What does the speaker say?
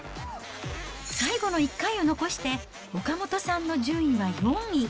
最後の１回を残して、岡本さんの順位は４位。